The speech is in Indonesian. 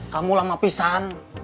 kamu lama pisahan